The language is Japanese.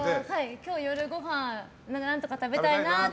今日夜ごはん何とか食べたいなって。